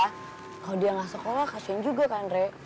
kalau dia ga sekolah kasian juga kak andre